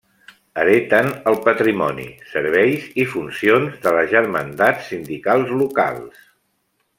Hereten el patrimoni, serveis i funcions de les germandats sindicals locals.